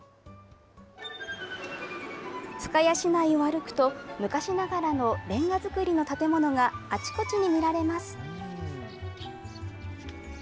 深谷市内を歩くと、昔ながらのれんが造りの建物が、あちこちに見られます。